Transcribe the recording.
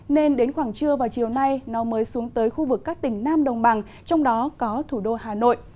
nên đến khoảng trưa vào chiều nay nó mới xuống tới khu vực các tỉnh nam đồng bằng trong đó có thủ đô hà nội